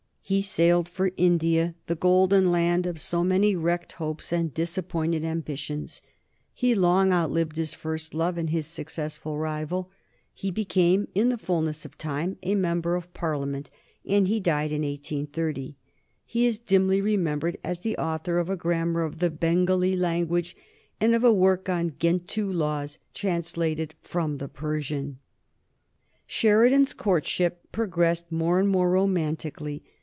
He sailed for India, the golden land of so many wrecked hopes and disappointed ambitions; he long outlived his first love and his successful rival; he became in the fulness of time a member of Parliament, and he died in 1830. He is dimly remembered as the author of a grammar of the Bengalee language and of a work on Gentoo laws translated from the Persian. [Sidenote: 1771 Marriage of Sheridan and Miss Linley] Sheridan's courtship progressed more and more romantically.